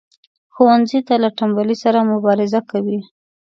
ښوونځی له تنبلی سره مبارزه کوي